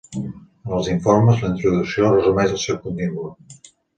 En els informes, la introducció resumeix el seu contingut.